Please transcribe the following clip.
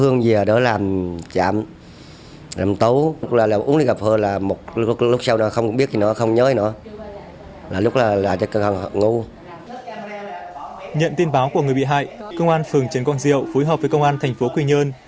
nhận tin báo của người bị hại công an phường trấn quang diệu phối hợp với công an tp quy nhơn